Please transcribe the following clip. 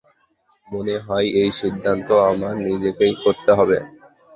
মনে হয় এই সিদ্ধান্ত আমার নিজেকেই করতে হবে।